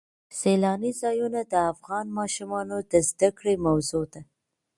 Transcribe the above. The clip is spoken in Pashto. سیلاني ځایونه د افغان ماشومانو د زده کړې موضوع ده.